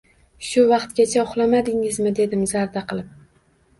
Shu vaqtgacha uxlamadingizmi! — dedim zarda qilib.